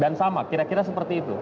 dan sama kira kira seperti itu